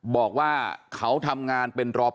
บอกว่าเขาทำงานเป็นรอปภ